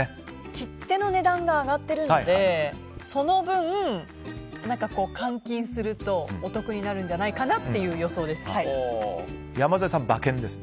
切手の値段が上がっているのでその分、換金するとお得になるんじゃないかなという山添さんは馬券です。